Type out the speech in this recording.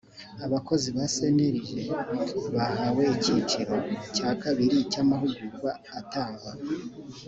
abakozi ba cnlg bahawe icyiciro cya kabiri cy amahugurwa atangwa